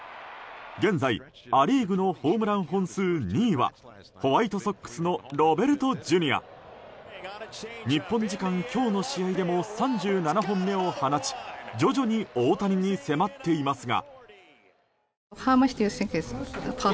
現在、ア・リーグのホームラン本数２位はホワイトソックスのロベルトＪｒ．。日本時間の今日の試合でも３７本目を放ち徐々に大谷に迫っていますが。